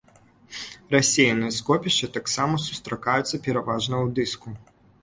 Рассеяныя скопішчы таксама сустракаюцца пераважна ў дыску.